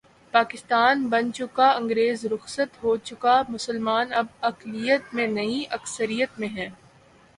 پاکستان بن چکا انگریز رخصت ہو چکا مسلمان اب اقلیت میں نہیں، اکثریت میں ہیں۔